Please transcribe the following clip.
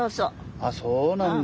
あそうなんだ。